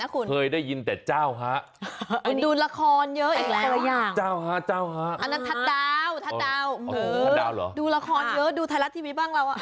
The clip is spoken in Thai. โปรดติดตามตอนต่อไป